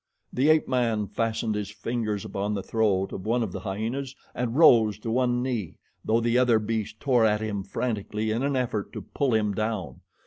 The ape man fastened his fingers upon the throat of one of the hyenas and rose to one knee, though the other beast tore at him frantically in an effort to pull him down.